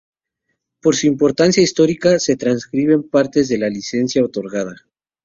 Por su importancia histórica se transcriben partes de la licencia otorgada.